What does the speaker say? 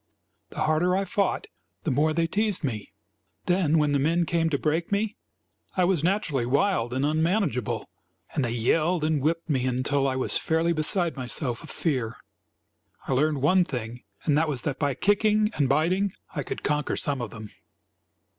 The harder I fought, the more they teased me. Then when the men came to break me, I was naturally wild and unmanageable; and they yelled and whipped me until I was fairly beside myself with fear. I learned one thing, and that was that by kicking and biting I could conquer some of them.